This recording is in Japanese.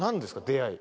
出会い。